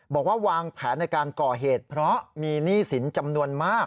บอกว่าวางแผนในการก่อเหตุเพราะมีหนี้สินจำนวนมาก